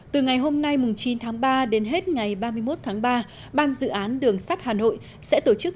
từ ngày hôm nay chín tháng ba đến hết ngày ba mươi một tháng ba ban dự án đường sắt hà nội sẽ tổ chức